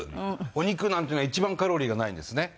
お肉なんていうのは一番カロリーがないんですね。